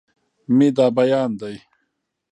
مې دا بيان دی